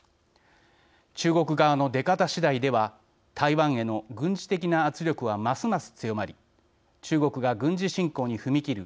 中国側の出方次第では台湾への軍事的な圧力はますます強まり中国が軍事侵攻に踏み切る